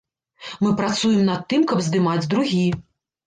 Мы працуем над тым, каб здымаць другі.